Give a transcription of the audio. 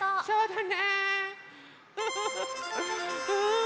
そうだね。